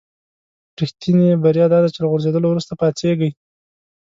رښتینې بریا داده چې له غورځېدلو وروسته پاڅېږئ.